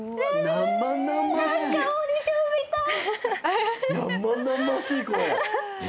何かオーディションみたい。